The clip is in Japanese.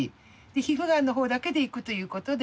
皮膚がんのほうだけでいくということで。